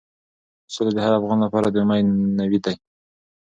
سوله د هر افغان لپاره د امید نوید دی.